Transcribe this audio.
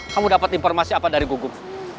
kamu dapat informasi apa dari gugup